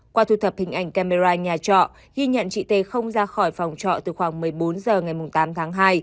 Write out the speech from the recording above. qua thu thập hình ảnh camera nhà trọ ghi nhận chị t không ra khỏi phòng trọ từ khoảng một mươi bốn h ngày tám tháng hai